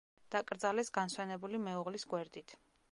დაკრძალეს განსვენებული მეუღლის გვერდით.